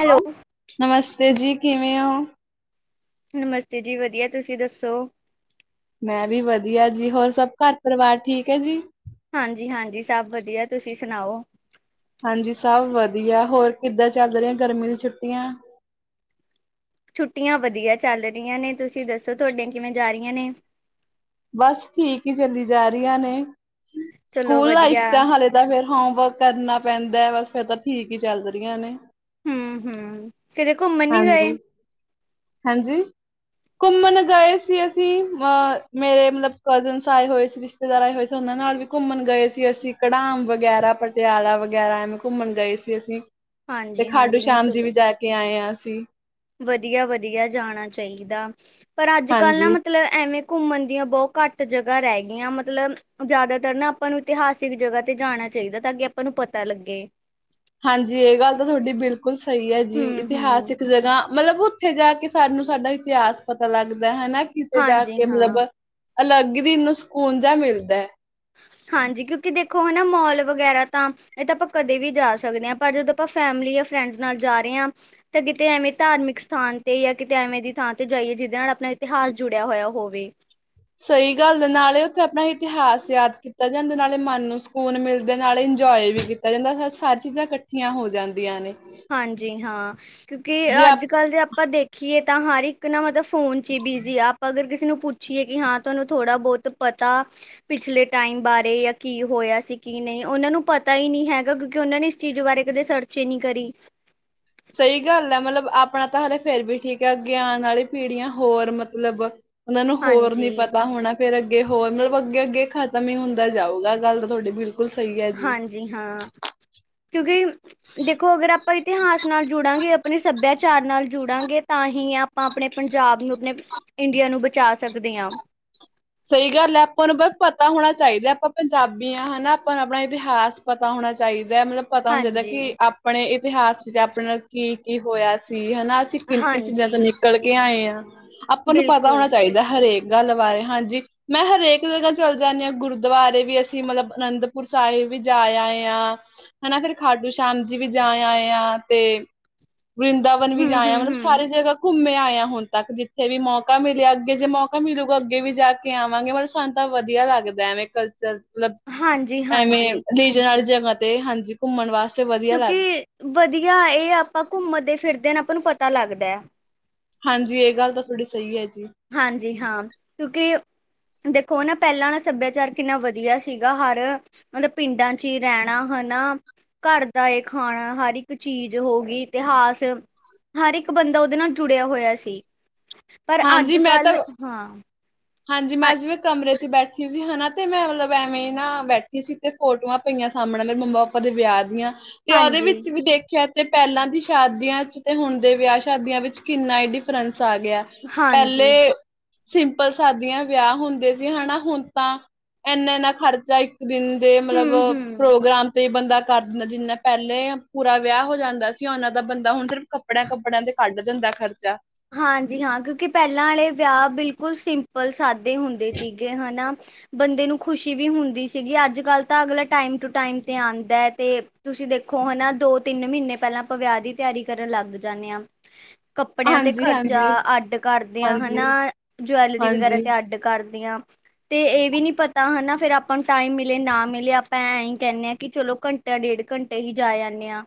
Hello ਨਮਸਤੇ ਜੀ ਕਿਵੇਂ ਓ? ਨਮਸਤੇ ਜੀ ਵਧੀਆ ਤੁਸੀਂ ਦੱਸੋ? ਮੈਂ ਵੀ ਵਧੀਆ ਜੀ ਹੋਰ ਸਭ ਘਰ ਪਰਿਵਾਰ ਠੀਕ ਐ ਜੀ। ਹਾਂਜੀ-ਹਾਂਜੀ ਸਭ ਵਧੀਆ ਤੁਸੀਂ ਸੁਣਾਓ? ਹਾਂਜੀ ਸਭ ਵਧੀਆ ਹੋਰ ਕਿੱਦਾਂ ਚੱਲ ਰੀਆਂ ਗਰਮੀ ਦੀ ਛੁੱਟੀਆਂ? ਛੁੱਟੀਆਂ ਵਧੀਆ ਚੱਲ ਰਈਆਂ ਨੇ ਤੁਸੀਂ ਦੱਸੋ ਤੁਹਾਡੀਆਂ ਕਿਵੇਂ ਜਾ ਰੀਆਂ ਨੇ? ਬਸ ਠੀਕ ਈ ਚੱਲੀ ਜਾ ਰੀਆਂ ਨੇ ਚਲੋ ਸਕੂਲ ਲਾਈਫ ਵਧੀਆ ਚ ਹਾਲੇ ਦਾ ਫ਼ਿਰ ਹੋਮਵਰਕ ਕਰਨਾ ਪੈਂਦਾ ਬਸ ਫਿਰ ਤਾਂ ਠੀਕ ਈ ਚੱਲ ਰੀਆਂ ਨੇ। ਹੂੰ-ਹੂੰ ਕਿਤੇ ਘੁੰਮਣ ਨੀ ਗਏ? ਹੈਂਜੀ ਘੁੰਮਣ ਗਏ ਸੀ ਅਸੀਂ ਅ ਮੇਰੇ ਮਤਲਬ ਕਜ਼ਨਸ ਆਏ ਹੋਏ ਸੀ, ਰਿਸ਼ਤੇਦਾਰ ਆਏ ਹੋਏ ਸੀ ਓਨਾਂ ਨਾਲ ਵੀ ਘੁੰਮਣ ਗਏ ਸੀ ਅਸੀਂ ਕਢਾਮ ਵਗੈਰਾ, ਪਟਿਆਲਾ ਵਗੈਰਾ ਐਵੇਂ ਘੁੰਮਣ ਗਏ ਸੀ ਅਸੀਂ ਤੇ ਹਾਂਜੀ ਖਾਟੂ ਹਾਂਜੀ ਨਹੀਂ ਸ਼ਾਮ ਜੀ ਵੀ ਜਾ ਕੇ ਆਏ ਆਂ ਅਸੀਂ। ਵਧੀਆ-ਵਧੀਆ ਜਾਣਾ ਚਾਈਦਾ ਪਰ ਅੱਜ ਕੱਲ੍ਹ ਨਾ ਹਾਂਜੀ। ਮਤਲਬ ਐਵੇਂ ਘੁੰਮਣ ਦੀਆਂ ਬੋਤ ਘੱਟ ਜਗ੍ਹਾ ਰੈ ਗਈਆਂ ਮਤਲਬ ਜਾਦਾਤਰ ਨਾ ਆਪਾਂ ਨੂੰ ਇਤਿਹਾਸਿਕ ਜਗ੍ਹਾ ਤੇ ਜਾਣਾ ਚਾਈਦਾ ਤਾਂ ਕੀ ਆਪਾਂ ਨੂੰ ਪਤਾ ਲੱਗੇ। ਹਾਂਜੀ ਏ ਗੱਲ ਤਾਂ ਤੁਹਾਡੀ ਬਿਲਕੁੱਲ ਸਈ ਆ ਜੀ ਹਮ ਹਮ ਇਤਿਹਾਸਿਕ ਜਗ੍ਹਾ ਮਤਲਬ ਉੱਥੇ ਜਾ ਕੇ ਸਾਨੂੰ ਸਾਡਾ ਇਤਿਹਾਸ ਪਤਾ ਲੱਗਦਾ ਹਨਾ ਕਿਸੇ ਜਾ ਹਾਂਜੀ ਕੇ ਹਾਂ ਮਤਲਬ ਅਲੱਗ ਦਿਲ ਨੂੰ ਸਕੂਨ ਜਾ ਮਿਲਦੈ। ਹਾਂਜੀ ਕਿਉਂਕਿ ਦੇਖੋ ਹਨਾ ਮੋਲ ਵਗੈਰਾ ਤਾਂ ਏ ਤਾਂ ਆਪਾਂ ਕਦੇ ਵੀ ਜਾ ਸਕਦੇ ਆ, ਪਰ ਜਦੋਂ ਆਪਾਂ ਫੈਮਲੀ ਜਾਂ ਫਰੈਂਡਸ ਨਾਲ ਜਾ ਰਏ ਆ ਤੇ ਕਿਤੇ ਐਵੇਂ ਧਾਰਮਿਕ ਸਥਾਨ ਤੇ, ਜਾਂ ਕਿਤੇ ਐਵੇਂ ਦੀ ਥਾਂ ਤੇ ਜਾਈਏ, ਜਿਦੇ ਨਾਲ ਆਪਣਾ ਇਤਿਹਾਸ ਜੁੜੇਆ ਹੋਏਆ ਹੋਵੇ। ਸਈ ਗੱਲ ਨਾਲੇ ਓੱਥੇ ਆਪਣਾ ਇਤਿਹਾਸ ਯਾਦ ਕੀਤਾ ਜਾਂਦਾ ਨਾਲੇ ਮਨ ਨੂੰ ਸਕੂਨ ਮਿਲਦੇ ਨਾਲੇ ਇੰਜੋਏ ਵੀ ਕੀਤਾ ਜਾਂਦਾ ਸਾਰੀ ਚੀਜ਼ਾਂ ਇਕੱ ਇਕੱਠੀਆਂ ਹੋ ਜਾਂਦੀਆਂ ਨੇ। ਹਾਂਜੀ ਹਾਂ ਕਿਉਂਕਿ ਜੇ ਆਪਾਂ ਅੱਜ -ਕੱਲ ਜੇ ਆਪਾਂ ਦੇਖੀਏ ਤਾਂ ਹਰ ਇੱਕ ਨਾ ਮਤਲਬ ਫੋਨ ਚ ਈ ਬਿਜੀ ਆ, ਆਪਾਂ ਅਗਰ ਕਿਸੇ ਨੂੰ ਪੁੱਛੀਏ ਕਿ ਹਾਂ ਤੁਆਨੂੰ ਥੋੜ੍ਹਾ ਬੋਤ ਪਤਾ ਪਿਛਲੇ ਟਾਈਮ ਬਾਰੇ ਜਾਂ ਕੀ ਹੋਇਆ ਸੀ, ਕੀ ਨੀ, ਓਨਾਂ ਨੂੰ ਪਤਾ ਈ ਨਹੀਂ ਹੈਗਾ ਕਿਉਂਕਿ ਓਨਾਂ ਨੇ ਚੀਜ਼ ਬਾਰੇ ਕਦੇ ਸਰਚ ਈ ਨਈ ਕਰੀ। ਸਈ ਗੱਲ ਐ ਮਤਲਬ ਆਪਣਾ ਤਾਂ ਹਾਲੇ ਫੇਰ ਵੀ ਠੀਕ ਆ, ਅੱਗੇ ਆਣ ਵਾਲੀ ਪੀੜ੍ਹੀਆਂ ਹੋਰ ਮਤਲਬ ਓਨਾਂ ਨੂੰ ਹੋਰ ਨੀ ਹਾਂਜੀ ਪਤਾ ਹੋਣਾ। ਫੇਰ ਅੱਗੇ ਹੋਰ ਮ-ਮਤਲਬ ਅੱਗੇ -ਅੱਗੇ ਖ਼ਤਮ ਈ ਹੁੰਦਾ ਜਾਊਗਾ, ਗੱਲ ਤਾਂ ਤੁਆਡੀ ਬਿਲਕੁਲ ਸਈ ਐ ਜੀ। ਜੀ ਹਾਂ ਕਿਉਂਕਿ ਦੇਖੋ ਅਗਰ ਆਪਾਂ ਇਤਿਹਾਸ ਨਾਲ ਜੁੜਾਂਗੇ, ਆਪਣੇ ਸੱਭਿਆਚਾਰ ਨਾਲ ਜੁੜਾਂਗੇ ਤਾਂ ਹੀ ਆਪ ਆਪਾਂ ਆਪਣੇ ਪੰਜਾਬ ਨੂੰ ਆਪਣੇ ਇੰਡੀਆ ਨੂੰ ਬਚਾ ਸਕਦੇ ਆ। ਸਈ ਗੱਲ ਐ, ਪਰ ਬਸ ਪਤਾ ਹੋਣਾ ਚਾਈਦਾ ਆਪਾਂ ਪੰਜਾਬੀ ਆ ਹਨਾ ਪਰ ਆਪਣਾ ਇਤਿਹਾਸ ਪਤਾ ਹੋਣਾ ਚਾਈਦਾ ਐ ਮਤਲਬ ਪਤਾ ਹੋਣਾ ਚਾਈਦਾ ਕੀ ਹਾਂਜੀ ਆਪਣੇ ਇਤਿਹਾਸ ਵਿੱਚ ਆਪਣੇ ਨਾਲ ਕੀ -ਕੀ ਹੋਇਆ ਸੀ ਹਨਾ। ਅਸੀਂ ਕਿੰਨ -ਕਿੰਨ ਚੀਜ਼ਾਂ ਹਾਂਜੀ ਤੋਂ ਨਿਕਲ ਕੇ ਆਏ ਆ, ਆਪਾਂ ਨੂੰ ਪਤਾ ਬਿਲਕੁਲ ਹੋਣਾ ਚਾਈਦਾ ਹਰੇਕ ਗੱਲ ਬਾਰੇ ਹਾਂਜੀ। ਮੈਂ ਹਰੇਕ ਜਗ੍ਹਾ ਚੱਲ ਜਾਂਨੇ ਆ ਗੁਰਦੁਆਰੇ ਵੀ ਅਸੀਂ ਮਤਲਬ ਅਨੰਦਪੁਰ ਸਾਹਿਬ ਵੀ ਜਾ ਆਏ ਆ। ਹਨਾ ਫੇਰ ਖਾਡੂ ਸ਼ਾਮ ਜੀ ਵੀ ਜਾ ਆਏ ਆ ਤੇ ਵਰੀਨਦਾਵਨ ਵੀ ਹਮ ਜਾ ਆਏ ਹਮ ਮਤਲਬ ਹਮ ਸਾਰੇ ਜਗ੍ਹਾ ਘੁੰਮੇ ਆਏ ਆ ਹੁਣ ਤੱਕ, ਜਿੱਥੇ ਵੀ ਮੌਕਾ ਮਿਲਿਆ ਅੱਗੇ ਜੇ ਮੌਕਾ ਮਿਲੁਗਾ ਅੱਗੇ ਵੀ ਜਾ ਕੇ ਕੇ ਆਵਾਂਗੇ, ਮਤਲਬ ਸਾਨੂੰ ਤਾਂ ਵਧੀੳਆ ਲੱਗਦਾ ਐਵੇਂ ਕਲਚਰ। ਮਤਲਬ ਹਾਂਜੀ ਐਵੇਂ ਹਾਂਜੀ ਰਿਜਨਲ ਜਗ੍ਹਾ ਤੇ ਹਾਂਜੀ ਘੁੰਮਣ ਵਾਸਤੇ। ਵਧੀਆ ਲੱਗਦਾ ਕਿਉਕਿ ਵਧੀਆ ਏ, ਏਹ ਆਪਾਂ ਘੁੰਮਦੇ ਫਿਰਦੇ ਆਪਾਂ ਨੂੰ ਪਤਾ ਲੱਗਦਾ। ਹਾਂਜੀ ਗੱਲ ਤਾਂ ਤੁਆਡੀ ਸਈ ਐ ਜੀ। ਹਾਂਜੀ ਹਾਂ ਕਿਉਂਕਿ ਦੇਖੋ ਨਾ ਪੇਲਾਂ ਦਾ ਸੱਭੇਆਚਾਰ ਕਿੰਨਾ ਵਧੀਆ ਸੀਗਾ ਹਰ ਮਤਲਬ ਪਿੰਡਾਂ ਚ ਈ ਰੈਣਾ ਹਨਾ? ਘਰ ਦਾ ਏ ਖਾਣਾ ਹਰ ਇੱਕ ਚੀਜ਼ ਹੋਗੀ ਇਤਿਹਾਸ ਹਰ ਇੱਕ ਬੰਦਾ ਓਦੇ ਨਾਲ ਜੁੜੇਆ ਹੋਏਆ ਸੀ, ਪਰ ਅੱਜ ਹਾਂਜੀ ਮੈਂ -ਕੱਲ ਤਾਂ ਹਾਂ ਹਾਂਜੀ ਅ ਮੈਂ ਜੀਵੇੈਂ ਕਮਰੇ ਚ ਬੈਠੀ ਸੀ ਹਨਾ ਤੇ ਮੈਂ ਮਤਲਬ ਐਵੇਂ ਨਾ ਬੈਠੀ ਸੀ। ਤੇ ਫੋਟਵਾ ਪਈਆਂ ਸਾਹਮਣੇ ਮੇਰੇ ਮੰਮਾ -ਪਾਪਾ ਦੇ ਵਿਆਹ ਦੀਆਂ ਤੇ ਉਹਦੇ ਹਾਂਜੀ, ਵਿੱਚ ਵੀ ਦੇਖੇਆ ਤੇ ਪੇਲਾਂ ਦੀ ਸ਼ਾਦੀਆਂ ' ਤੇ ਹੁਣ ਦੇ ਵਿਆਹ ਸ਼ਾਦੀਆਂ ਵਿੱਚ ਕਿੰਨਾ ਈ ਡਿਫਰੈਂਸ ਆ ਗੇਆ। ਹਾਂਜੀ, ਪੇਲੇ ਸਿੰ ਪਲ ਸ਼ਾਦੀਆਂ ਵਿਆਹ ਹੁੰਦੇ ਸੀ ਹਨਾ ਹੁਣ ਤਾਂ, ਏਨਾ- ਏਨਾ ਖਰਚਾ ਈ ਦਿਨ ਦੇ ਮਤਲਬ ਹੂੰ-ਹੂੰ। ਪ੍ਰੋਗਰਾਮ ਤੇ ਬੰਦਾ ਕਰ ਦਿੰਦਾ ਜਿੰਨਾ ਪੇਲੇ ਪੂਰਾ ਵਿਆਹ ਹੋ ਜਾਂਦਾ ਸੀ ਓਨਾਂ ਤਾ ਬੰਦਾ ਹੁਣ ਸਿਰਫ ਕੱਪੜੇਆਂ- ਕੱਪੜੇਆਂ ਤੇ ਕੱਢ ਦਿੰਦਾ ਖਰਚਾ। ਹਾਂਜੀ ਹਾਂ ਕਿਉਂਕਿ ਪਹਿਲਾਂ ਵਾਲੇ ਵਿਆਹ ਬਿਲਕੁਲ ਸਿੰਪਲ ਸਾਦੇ ਹੁੰਦੇ ਸੀਗੇ ਹਨਾ? ਬੰਦੇ ਨੂੰ ਖੁਸ਼ੀ ਵੀ ਹੁੰਦੀ ਸੀਗੀ ਅੱਜ -ਕੱਲ ਤਾਂ ਅਗਲਾ ਟਾਈਮ ਟੂ ਟਾਈਮ ਤੇ ਆਂਦਾ ਐ ਤੇ ਤੁਸੀਂ ਦੇਖੋ ਹਨਾ ਦੋ ਤਿੰਨ -ਮੀਨੇ ਪੇਲਾਂ ਆਪਾ ਵਿਆਹ ਦੀ ਤਿਆਰੀ ਕਰਨ ਲੱਗ ਜਾਂਨੇ ਆ। ਕੱਪੜੇਆਂ ਤੇ ਹਾਂਜੀ ਖ਼ਰਚਾ ਹਾਂਜੀ ਅੱਡ ਕਰਦੇ ਆ ਹਾਂਜੀ ਹਨਾ ਜਵੈਲਰੀ ਵਗੈਰਾ ਹਾਂਜੀ ਤੇ ਅੱਡ ਕਰਦੇਆਂ ਤੇ ਇਹ ਵੀ ਨੀ ਪਤਾ ਹਨਾ ਫੇਰ ਆਪਾਂ ਨੂੰ ਟਾਈਮ ਮਿਲੇ ਨਾ ਮਿਲੇ ਆਪਾਂ ਐ ਹੀ ਕਹਿੰਨੇ ਆ ਕਿ ਚਲੋ ਘੰ ਜਾਂ ਡੇਢ ਘੰਟੇ ਹੀ ਜਾ ਜਾਂਨੇ ਆ।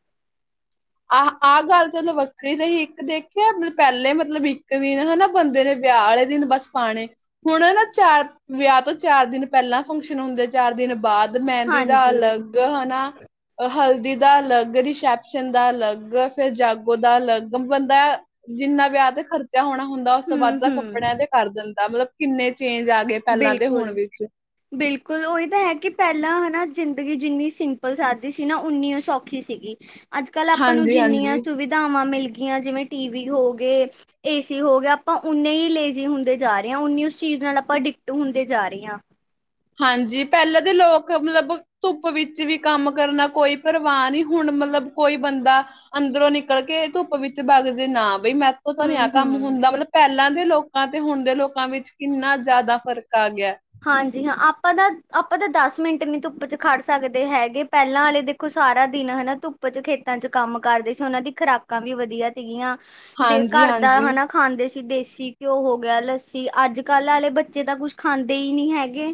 ਆਹ ਆਹ ਗੱਲ ਚਲੋ ਵੱਖਰੀ ਰਹੀ ਇੱਕ ਦੇਖਿਆ ਪਹਿਲੇ ਮਤਲਬ ਇੱਕ ਦਿਨ ਹਨਾ ਬੰਦੇ ਨੇ ਵਿਆਹ ਵਾਲੇ ਦਿਨ ਬਸ ਪਾਣੇ ਹੁਣ ਨਾ ਚਾਰ, ਵਿਆਹ ਤੋਂ ਚਾਰ ਦਿਨ ਪਹਿਲਾਂ ਫੰਕਸ਼ਨ ਹੁੰਦੇ ਚਾਰ ਦਿਨ ਬਾਅਦ। ਮਹਿੰਦੀ ਦਾ ਹਾਂਜੀ ਅਲੱਗ ਹਨਾ, ਹਲਦੀ ਦਾ ਅਲੱਗ ਰਿਸੈਪਸ਼ਨ ਦਾ ਅਲੱਗ ਫੇਰ ਜਾਗੋ ਦਾ ਅਲੱਗ ਬੰਦਾ ਜਿੰਨਾ ਵਿਆਹ ਤੇ ਖਰ ਚਾ ਹੋਣਾ ਹੁੰਦਾ ਉਸ ਤੋਂ ਹੂੰ ਬਾਅਦ ਤਾਂ ਕੱਪੜਿਆਂ ਹੂੰ ਤੇ ਕਰ ਦਿੰਦਾ ਮਤਲਬ ਕਿੰਨੇ ਚੇਂਜ ਆ ਗਏ ਪਹਿਲਾਂ ਤੇ ਬਿਲਕੁਲ। ਹੁਣ ਵਿੱਚ ਬਿਲਕੁਲ ਉਹੀ ਤਾਂ ਹੈ ਕਿ ਪਹਿਲਾਂ ਹਨਾ ਜ਼ਿੰਦਗੀ ਜਿੰਨੀ ਸਿੰਪਲ ਸਾਦੀ ਸੀ ਨਾ ਓਨੀਓ ਸੌਖੀ ਸੀਗੀ। ਅੱਜਕੱਲ੍ਹ ਆਪਾਂ ਨੂੰ ਹਾਂਜੀ ਜਿੰਨੀਆਂ ਹਾਂਜੀ ਸੁਵਿਧਾਵਾਂ ਮਿਲ ਗਈਆਂ ਜਿਵੇਂ ਟੀਵੀ ਹੋਗੇ ਏਸੀ ਹੋ ਗਿਆ ਆਪਾਂ ਓਨੇ ਹੀ ਲੇਜ਼ੀ ਹੁੰਦੇ ਜਾ ਰਹੇ ਆ ਓਨੀ ਉਸ ਚੀਜ਼ ਨਾਲ ਆਪਾਂ ਡਿਕ ਟ ਹੁੰਦੇ ਜਾ ਰਹੇ ਆ। ਹਾਂਜੀ ਪਹਿਲਾਂ ਦੇ ਲੋਕ ਮਤਲਬ ਧੁੱਪ ਵਿੱਚ ਵੀ ਕੰਮ ਕਰਨਾ ਕੋਈ ਪਰਵਾਹ ਨੀ ਹੁਣ ਮਤਲਬ ਕੋਈ ਬੰਦਾ ਅੰਦਰੋਂ ਨਿਕਲ ਕੇ ਧੁੱਪ ਵਿੱਚ ਬਗ ਜੇ ਨਾ ਬਈ ਮੈਂਥੋ ਤਾਂ ਨਾ ਆਹ ਕੰਮ ਹੂੰ-ਹੂੰ। ਹੁੰਦਾ ਮਤਲਬ ਪਹਿਲਾਂ ਦੇ ਲੋਕਾਂ ਤੇ ਹੁਣ ਦੇ ਲੋਕਾਂ ਵਿੱਚ ਕਿੰਨਾ ਜ਼ਿਆਦਾ ਫ਼ਰਕ ਆ ਗਿਆ। ਹਾਂਜੀ ਹਾਂ ਆਪਾਂ ਤਾਂ, ਆਪਾਂ ਤਾਂ ਦਸ ਮਿੰਟ ਨੀ ਧੁੱਪ 'ਚ ਖੜ ਸਕਦੇ ਹੈਗੇ ਪਹਿਲਾਂ ਵਾਲੇ ਦੇ ਖੋ ਸਾਰਾ ਦਿਨ ਹਨਾ ਧੁੱਪ 'ਚ ਖੇਤਾਂ ਚ ਕੰਮ ਕਰਦੇ ਸੀ ਉਹਨਾਂ ਦੀ ਖੁਰਾਕਾਂ ਵੀ ਵਧੀਆ ਸੀਗੀਆਂ। ਹਾਂਜੀ ਘਰ ਦਾ ਹਾਂਜੀ ਹਨਾ ਖਾਂਦੇ ਸੀ ਦੇਸੀ ਘਿਉ ਹੋ ਗਿਆ, ਲੱਸੀ ਅੱਜਕੱਲ ਆਲੇ ਬੱਚੇ ਤਾਂ ਕੁਛ ਖਾਂਦੇ ਹੀ ਨੀ ਹੈਗੇ।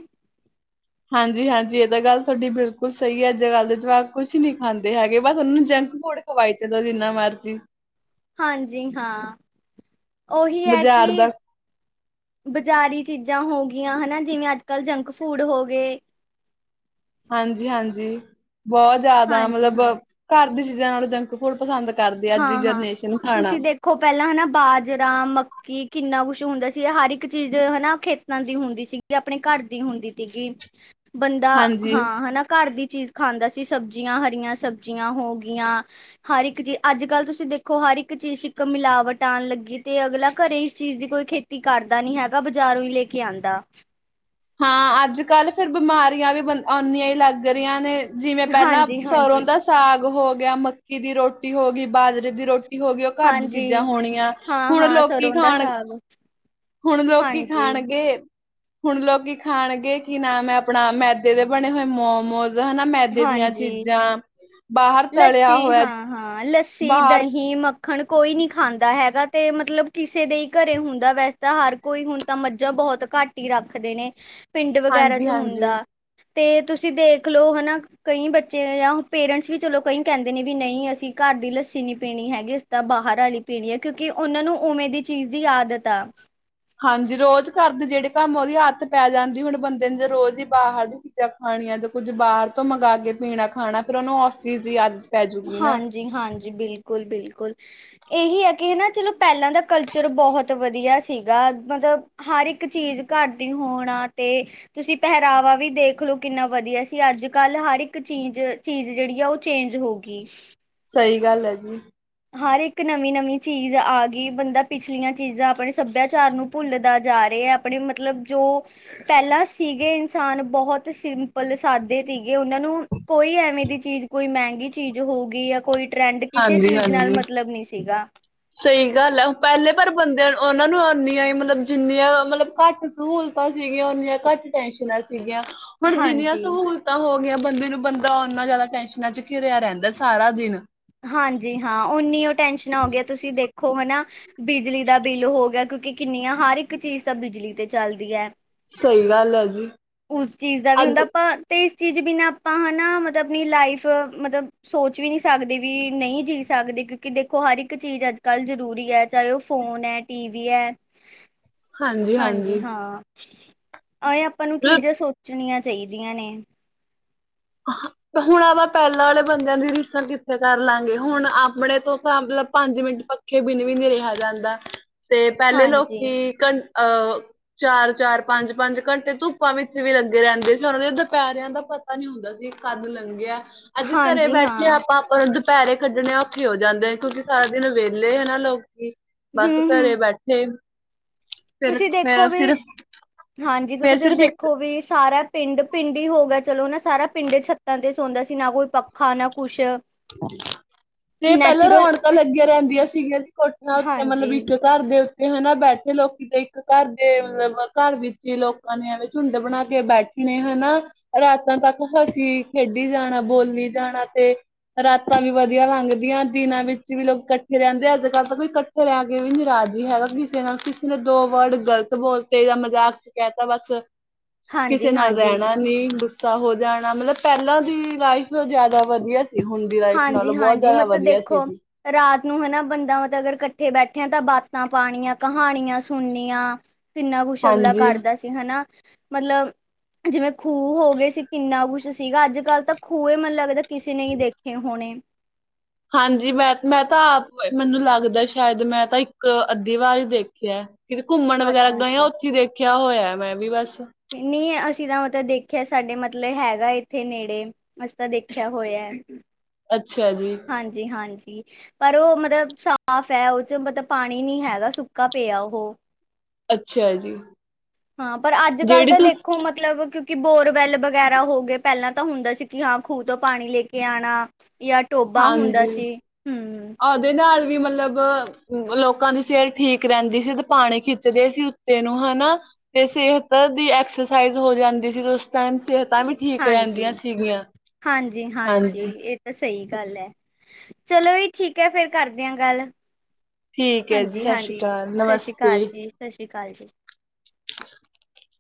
ਹਾਂਜੀ-ਹਾਂਜੀ ਇਹ ਤਾਂ ਗੱਲ ਤੁਹਾਡੀ ਬਿਲਕੁਲ ਸਹੀ ਐ ਅੱਜਕੱਲ ਦੇ ਜਵਾਕ ਕੁਛ ਨੀ ਖਾਂਦੇ ਹੈਗੇ ਬਸ ਉਹਨਾਂ ਨੂੰ ਜੰਕ ਫੂਡ ਖਵਾਈ ਚੱਲੋ ਜਿਨਾਂ ਮਰਜੀ। ਹਾਂਜੀ ਹਾਂ, ਉਹੀ ਐ ਬਾਜ਼ਾਰ ਕਿ ਦਾ ਬਜ਼ਾਰੀ ਚੀਜ਼ਾਂ ਹੋਗੀਆਂ ਹਨਾ ਜਿਵੇਂ ਅੱਜਕੱਲ੍ਹ ਜੰਕ ਫੂਡ ਹੋ ਗਏ ਹਾਂਜੀ-ਹਾਂਜੀ, ਬਹੁਤ ਜ਼ਿਆਦਾ ਹਾਂਜੀ ਮਤਲਬ ਹਾਂ ਘਰ ਦੀ ਚੀਜ਼ਾਂ ਨਾਲੋਂ ਜੰਕ ਫੂਡ ਪਸੰਦ ਕਰਦੇ ਆ ਅੱਜ ਦੀ ਜਨਰੇਸ਼ਨ ਖਾਣਾ। ਵੇਖੋ ਪਹਿਲਾਂ ਹਨਾ ਬਾਜਰਾ, ਮੱ ਕੀ ਕਿੰਨਾ ਕੁਛ ਹੁੰਦਾ ਸੀ ਹਰ ਇੱਕ ਚੀਜ਼ ਹਨਾ ਖੇਤਾਂ ਦੀ ਹੁੰਦੀ ਸੀਗੀ ਆਪਣੇ ਘਰ ਦੀ ਹੁੰਦੀ ਸੀਗੀ। ਬੰਦਾ, ਹਾਂਜੀ। ਹਾਂ ਹਨਾ ਘਰ ਦੀ ਚੀਜ਼ ਖਾਂਦਾ ਸੀ ਸਬਜ਼ੀਆਂ ਹਰੀਆਂ ਸਬਜ਼ੀਆਂ ਹੋ ਗੀਆਂ, ਹਰ ਇੱਕ ਚੀਜ ਅੱਜਕੱਲ੍ਹ ਤੁਸੀਂ ਦੇਖੋ ਹਰ ਇੱਕ ਚੀਜ਼ ਇੱਕ ਮਿਲਾਵਟ ਆਣ ਲੱਗੀ ਤੇ ਅਗਲਾ ਘਰੇ ਇਸ ਚੀਜ਼ ਦੀ ਕੋਈ ਖੇ ਤੀ ਕਰਦਾ ਨੀ ਹੈਗਾ ਬਾਜ਼ਾਰੋਂ ਈ ਲੈ ਕੇ ਆਂਦਾ। ਹਾਂ ਅੱਜਕੱਲ ਫਿਰ ਬਿਮਾਰੀਆਂ ਵੀ ਆਉਂਨੀਆਂ ਈ ਲੱਗ ਰਹੀਆਂ ਨੇ। ਜਿਵੇਂ ਪਹਿਲਾਂ ਸਰ੍ਹੋਂ ਹਾਂਜੀ-ਹਾਂਜੀ, ਦਾ ਸਾਗ ਹੋ ਗਿਆ, ਮੱਕੀ ਦੀ ਰੋਟੀ ਹੋ ਗਈ, ਬਾਜਰੇ ਦੀ ਰੋ ਟੀ ਹੋ ਗਈ ਉਹ ਘਰ ਦੀ ਹਾਂਜੀ ਚੀਜ਼ਾਂ ਹੋਣੀਆਂ, ਹੁਣ ਹਾਂ-ਹਾਂ ਲੋਕੀ ਸਰੋਂ ਦਾ ਖਾਣ ਸਾਗ ਹੁਣ ਲੋਕੀ ਖਾਣਗੇ- ਹੁਣ ਲੋਕ ਖਾਣਗੇ ਕੀ ਨਾਮ ਹੈ ਆਪਣਾ ਮੈਦੇ ਦੇ ਬਣੇ ਹੋਏ ਮੋਮੋਜ। ਹਨਾ ਮੈਦੇ ਦੀਆਂ ਹਾਂਜੀ-ਹਾਂਜੀ। ਚੀਜ਼ਾਂ, ਬਾਹਰ ਤਲਿਆ ਹੋਇਆ ਹਾਂ ਲੱਸੀ, ਬਾਹਰ ਦਹੀਂ, ਮੱ ਖਣ ਕੋਈ ਨਾ ਖਾਂਦਾ ਹੈਗਾ ਤੇ ਮਤਲਬ ਕਿਸੇ ਦੇ ਹੀ ਘਰੇ ਹੁੰਦਾ ਵੈਸੇ ਤਾਂ ਹਰ ਕੋਈ ਹੁਣ ਤਾਂ ਮੱਝਾਂ ਬਹੁਤ ਘੱਟ ਈ ਰੱਖਦੇ ਨੇ ਪਿੰਡ ਵਗੈਰਾ 'ਚ ਹਾਂਜੀ-ਹਾਂਜੀ। ਹੁੰਦਾ। ਤੇ ਤੁਸੀਂ ਦੇਖ ਲਓ ਹਨਾ ਕਈ ਬੱਚੇ ਜਾਂ ਪੇਰੈਂਟਸ ਵੀ ਚਲੋ ਕਈ ਕਹਿੰਦੇ ਨੇ ਵੀ ਨਹੀਂ ਅਸੀਂ ਘਰ ਦੀ ਲੱਸੀ ਨੀ ਪੀਣੀ ਹੈਗੀ ਅਸ ਤਾਂ ਬਾਹਰ ਆਲੀ ਪੀਣੀ ਏ ਕਿਉਂਕਿ ਉਹਨਾਂ ਨੂੰ ਉਵੇਂ ਦੀ ਚੀਜ਼ ਦੀ ਆਦਤ ਆ। ਹਾਂਜੀ ਰੋਜ਼ ਕਰਦੇ ਜੇੜੇ ਕੰਮ ਉਦੀ ਆਦਤ ਪੈ ਜਾਂਦੀ ਹੁਣ ਬੰਦੇ ਨੂੰ ਜ ਰੋਜ਼ ਈ ਬਾਰ 'ਚ ਖਾਣੀਆਂ ਜਾਂ ਕੁਝ ਬਾਰ ਤੋਂ ਮੰਗ ਕੇ ਪੀਣਾ ਖਾਣਾ ਫਿਰ ਉਨੂੰ ਉਸ ਦੀ ਆਦਤ ਪੈਜੂਗੀ ਨਾ। ਜੀ ਹਾਂਜੀ ਬਿਲਕੁਲ-ਬਿਲਕੁਲ ਇਹੀ ਹੈ ਕਿ ਹਨਾ ਚਲੋ ਪੈਲਾਂ ਦਾ ਕਲਚਰ ਬਹੁਤ ਵਧੀਆ ਸੀਗਾ ਮਤਲਬ ਹਰ ਇੱਕ ਚੀਜ਼ ਘਰ ਦੀ ਹੋਣਾ ਤੇ ਤੁਸੀਂ ਪਹਿਰਾਵਾ ਵੀ ਦੇਖਲੋ ਕਿੰਨਾ ਵਧੀਆ ਸੀ ਅੱਜ ਕੱਲ੍ਹ ਹਰ ਇੱਕ ਚੀਜ਼-ਚੀਜ਼ ਜੇੜੀ ਆ ਓ ਚੇਂਜ ਹੋ ਗਈ। ਕੀਫ ਸਈ ਗੱਲ ਹੈ ਜੀ। ਹਰ ਇੱਕ ਨਵੀ-ਨਵੀ ਚੀਜ਼ ਆ ਗਈ ਬੰਦਾ ਪਿਛਲੀਆਂ ਚੀਜ਼ਾਂ ਆਪਣੇ ਸੱਭਿਆਚਾਰ ਨੂੰ ਭੁੱਲਦਾ ਜਾ ਰਿਆ ਐ ਆਪਣੇ ਮਤਲਬ ਜੋ ਪੈਲਾਂ ਸੀਗੇ ਇਨਸਾਨ ਬਹੁਤ ਸੀ। ਬਲ ਸਾਦੇ ਸੀਗੇ ਉਨਾਂ ਨੂੰ ਕੋਈ ਐਵੇਂ ਦੀ ਚੀਜ਼ ਕੋਈ ਮੈਂਗੀ ਚੀਜ਼ ਹੋ ਗਈ ਜਾਂ ਕੋਈ ਟਰੈਂਡ ਕਿਸੇ ਚੀਜ਼ ਨਾਲ ਮਤਲਬ ਨੀ ਸੀਗਾ। ਸਈ ਗੱਲ ਐ ਪੈਲੇ ਪਰ ਬੰਦਿਆਂ ਉਨਾਂ ਨੂੰ ਨੀਆਂ ਹੀ ਮਤਲਬ ਜਿੰਨੀਆਂ ਮਤਲਬ ਘੱਟ ਸਹੂਲਤਾਂ ਸੀਗੀਆਂ ਓਨੀਆਂ ਘੱਟ ਟੈਨਸ਼ਨਾਂ ਸੀਗੀਆਂ। ਹੁਣ ਜਿੰਨੀਆਂ ਹਾਂਜੀ ਸਹੂਲਤਾਂ ਹੋ ਗਈਆਂ ਬੰਦੇ ਨੂੰ ਬੰਦਾ ਓਨਾ ਜਾਦਾ ਟੈਂਸ਼ਨਾਂ 'ਚ ਘਿਰਿਆ ਰੈਂਦਾ ਸਾਰਾ ਦਿਨ ਹਾਂਜੀ ਹਾਂ ਓਨੀ ਓ ਟੈਸ਼ਨਾਂ ਹੋਗੀਆਂ ਤੁਸੀ ਦੇਖੋ ਹਨਾ। ਬਿਜਲੀ ਦਾ ਬਿੱਲ ਹੋ ਗਿਆ ਕਿਉਂਕਿ ਕਿੰਨੀਆਂ ਹਰ ਇੱਕ ਚੀਜ਼ ਤਾਂ ਬਿਜਲੀ ਤੇ ਚੱਲਦੀ ਐ। ਸਈ ਗੱਲ ਐ ਜੀ। ਉਸ ਚੀਜ਼ ਦਾ ਵੀ ਅੱਜ ਹੁੰਦਾ ਆਪਾਂ ਤੇ ਇਸ ਚੀਜ਼ ਬਿਨਾਂ ਆਪਾਂ ਹਨਾ ਮਤਲਬ ਆਪਣੀ ਲਾਈਫ ਮਤਲਬ ਸੋਚ ਵੀ ਨਈ ਸਕਦੇ ਵੀ ਨਈ ਜੀ ਸਕਦੇ ਕਿਉਂਕਿ ਦੇਖੋ ਹਰ ਇੱਕ ਚੀਜ਼ ਅੱਜ ਕੱਲ੍ਹ ਜ਼ਰੂਰੀ ਐ ਚਾਹੇ ਓ ਫੋਨ ਐ। ਟੀ ਵੀ ਐ। [inaudible] ਹਾਂਜੀ ਹਾਂ ਐਂ ਆਪਾਂ ਨੂੰ ਮਤਲਬ ਚੀਜ਼ਾਂ ਸੋਚ ਪੁੱਛਣੀਆਂ ਚਾਈਦੀਆਂ ਨੇ। [inaudible] ਹੁਣ ਆਪਾਂ ਪੈਲਾਂ ਆਲੇ ਬੰਦਿਆਂ ਦੀ ਰੀਸਲ ਕਿੱਥੇ ਕਰ ਲਾਂਗੇ ਹੁਣ ਆਪਣੇ ਤੋਂ ਮਤਲਬ ਪੰਜ ਮਿੰਟ ਪੱਖੇ ਬਿਨ ਵੀ ਨਈ ਰਿਆ ਜਾਂਦਾ ਤੇ ਪੈਲੇ ਹਾਂਜੀ ਲੋਕੀ ਘੰ ਅ ਚਾਰ-ਚਾਰ ਪੰਜ-ਪੰਜ ਘੰਟੇ ਧੁੱਪਾਂ ਵਿੱਚ ਵੀ ਲੱਗੇ ਰੈਂਦੇ ਸੀ ਉਨਾਂ ਨੇ ਦੁਪੈਰਿਆਂ ਦਾ ਪਤਾ ਨੀ ਹੁੰਦਾ ਸੀ। ਕੱਦ ਲੰਘਿਆ ਅੱਜ ਘਰੇ ਹਾਂਜੀ ਬੈਠੇ ਹਾਂ ਆਪਾਂ ਦੁਪੈਰੇ ਖੱਡਣੇ ਔਖੇ ਹੋ ਜਾਂਦੇ ਨੇ ਕਿਉਂਕਿ ਸਾਰਾ ਦਿਨ ਵੇਲੇ ਹੈ ਨਾ ਲੋਕੀ ਬਸ ਹੂੰ ਹੂੰ ਘਰੇ ਬੈਠੇ ਫਿਰ ਤੁਸੀਂ ਦੇਖੋ ਫਿਰ ਵੀ ਸਿਰਫ ਹਾਂਜੀ ਕਿਉਂਕਿ ਫੇਰ ਤੁ ਸਿਰਫ ਇੱਕ ਦੇਖੋ ਵੀ ਸਾਰਾ ਪਿੰਡ-ਪਿੰਡ ਹੀ ਹੋ ਗਿਆ ਚਲੋ ਨਾ ਸਾਰਾ ਪਿੰਡ ਛੱਤਾਂ ਤੇ ਸੌਂਦਾ ਸੀ ਨਾ ਕੋਈ ਪੱਖਾ ਨਾ ਕੁਛ ਤੇ ਪੈਲਾਂ ਨੈਚੁਰਲ ਰੌਣਕਾਂ ਲੱਗੀਆਂ ਰੈਂਦੀਆਂ ਸੀਗੀਆਂ ਕੋਠਿਆਂ ਉੱਥੇ ਮਤਲਬ ਹਾਂਜੀ ਇੱਕ ਘਰ ਦੇ ਉੱਤੇ ਹਨਾ ਬੈਠੇ ਲੋਕੀ ਤੇ ਇੱਕ ਘਰ ਦੇ ਘਰ ਵਿੱਚ ਹੀ ਲੋਕ ਬੰੰਦੇ ਐਂਵੇ ਝੁੰਡ ਬਣਾ ਕੇ ਬੈਠਦੇ ਹਨਾ ਰਾਤਾਂ ਤੱਕ ਹੱਸੀ ਖੇਡੀ ਜਾਣਾ ਬੋਲੀ ਜਾਣਾ ਤੇ ਰਾਤਾਂ ਵੀ ਵਧੀਆ ਲੰਘਦੀਆਂ ਦਿਨਾਂ ਵਿੱਚ ਵੀ ਲੋਕ ਕੱਠੇ ਰੈਂਦੇ ਅੱਜ ਕੱਲ੍ਹ ਤਾਂ ਕੋਈ ਕੱਠੇ ਘਰ ਆ ਕੇ ਵੀ ਰਾਜੀ ਹੀ ਹੈਗਾ ਕਿਸੇ ਨਾਲ ਕਿਸੇ ਨੇ ਦੋ ਵਰਡ ਗਲਤ ਬੋਲਦੇ ਜਾਂ ਮਜ਼ਾਕ ਕੈ ਤਾ ਬਸ ਕਿਸੇ ਹਾਂਜੀ ਨਾਲ ਹਾਂਜੀ ਰੈਂਣਾ ਨੀ। ਹੋ ਜਾਣਾ ਮਤਲਬ ਪੈਲਾਂ ਦੀ ਲਾਈਫ ਜਾਦਾ ਵਧੀਆ ਸੀ ਹੁਣ ਦੀ ਲਾਈਫ ਨਾਲੋਂ ਹਾਂਜੀ ਬਹੁਤ ਹਾਂਜੀ ਜਾਦਾ ਮਤਲਬ ਵਧੀਆ ਦੇਖੋ ਸੀਗੀ। ਰਾਤ ਨੂੰ ਹਨਾ ਬੰਦਾ ਮਤਲਬ ਅਗਰ ਕੱਠੇ ਬੈਠਿਆ ਤਾਂ ਬਾਤਾਂ ਪਾਣੀਆਂ ਕਹਾਣੀਆਂ ਸੁਣਨੀਆਂ। ਕਿੰਨਾ ਕੁਛ ਅਗਲਾ ਹਾਂਜੀ। ਕਰਦਾ ਸੀ ਹਨਾ ਮਤਲਬ ਜਿਵੇਂ ਖੂਹ ਹੋ ਗਏ ਸੀ ਕਿੰਨਾ ਕੁਛ ਸੀਗਾ ਅੱਜ ਕੱਲ੍ਹ ਤਾਂ ਖੂਹ ਮਤ ਲੱਗਦਾ। ਕਿਸੇ ਨਹੀ ਦੇਖੇ ਹੋਣੇ। ਹਾਂਜੀ, ਮੈਂ-ਮੈਂ ਤਾਂ ਆਪ ਮੈਨੂੰ ਲੱਗਦਾ ਸ਼ਾਇਦ ਮੈਂ ਤਾਂ ਇੱਕ ਅੱਧੀ ਵਾਰ ਹੀ ਦੇਖਿਆ। ਕਿਤੇ ਘੁੰਮਣ ਵਗੈਰਾ ਅੱਛਾ ਅੱਛਾ ਗਏ ਹੋਏ, ਉੱਥੇ ਦੇਖਿਆ ਹੋਇਆ ਮੈਂ ਵੀ ਬਸ। ਨੀ ਅਸੀਂ ਤਾਂ ਮਤਲਬ ਦੇਖਿਆ ਸਾਡੇ ਮਤਲਬ ਹੈਗਾ ਇੱਥੇ ਨੇੜੇ। ਅਸੀ ਤਾਂ ਦੇਖਿਆ ਹੋਇਆ। ਅੱਛਾ ਜੀ। ਹਾਂਜੀ-ਹਾਂਜੀ। ਪਰ ਉਹ ਮਤਲਬ ਸਾਫ ਹੈ ਉਹ ਚ ਮਤਲਬ ਪਾਣੀ ਨੀ ਹੈਗਾ ਸੁੱਕਾ ਪਿਆ ਉਹ। ਅੱਛਾ ਜੀ। ਹਾਂ, ਪਰ ਅੱਜ-ਕੱਲ੍ਹ ਜਿਹੜੀ ਤੇ ਦੇਖੋ ਤੁਸੀਂ, ਮਤਲਬ ਕਿਉਂ ਕਿ ਬੋਰਵੈਲ ਵਗੈਰਾ ਹੋ ਗਏ ਪਹਿਲਾਂ ਤਾਂ ਹੁੰਦਾ ਸੀ ਕਿ ਹਾਂ ਖੂਹ ਤੋਂ ਪਾਣੀ ਲੈ ਕੇ ਆਣਾ ਯਾ ਟੋਬਾ ਹੁੰਦਾ ਹਾਂਜੀ। ਸੀ, ਹੂੰ। ਉਹਦੇ ਨਾਲ ਵੀ ਮਤਲਬ ਲੋਕਾਂ ਦੀ ਸਿਹਤ ਠੀਕ ਰਹਿੰਦੀ ਸੀ ਤੇ ਪਾਣੀ ਖਿੱਚਦੇ ਸੀ ਉੱਤੇ ਨੂੰ ਹਨਾ। ਤੇ ਸਿਹਤ ਦੀ ਐਕਸਰਸਾਈਜ਼ ਹੋ ਜਾਂਦੀ ਸੀ ਤੇ ਉਸ ਟਾਈਮ ਸਿਹਤਾਂ ਵਿ ਠੀਕ ਹਾਂਜੀ ਰਹਿੰਦੀਆਂ ਸੀਗੀਆ, ਹਾਂਜੀ ਹਾਂਜੀ। ਇਹ ਸਹੀ ਗੱਲ ਐ, ਚਲੋ ਵੀ ਠੀਕ ਐ ਫੇਰ ਕਰਦੇ ਆ ਗੱਲ। ਠੀਕ ਹੈ ਜੀ ਸਤਿ ਸ਼੍ਰੀ ਹਾਂਜੀ-ਹਾਂਜੀ, ਅਕਾਲ ਸਤਿ ਸ੍ਰੀ ਅਕਾਲ ਨਮਸਤੇ ਜੀ, ਸਤਿ ਸ੍ਰੀ ਅਕਾਲ ਜੀ। [unintelligible]